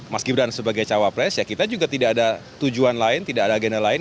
mas gibran sebagai cawapres ya kita juga tidak ada tujuan lain tidak ada agenda lain